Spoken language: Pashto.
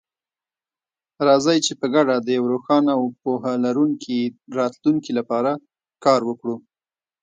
راځئ چې په ګډه د یو روښانه او پوهه لرونکي راتلونکي لپاره کار وکړو.